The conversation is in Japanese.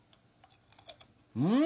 うん！